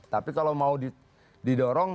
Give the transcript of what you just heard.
tapi kalau mau didorong